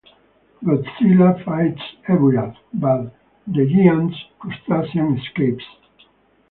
Godzilla fights Ebirah, but the giant crustacean escapes.